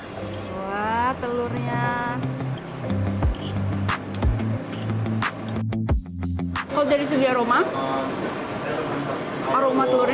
aroma telurnya tidak resium dan rasanya memang jadi gurih